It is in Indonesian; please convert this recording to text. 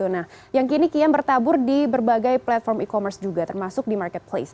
nah yang kini kian bertabur di berbagai platform e commerce juga termasuk di marketplace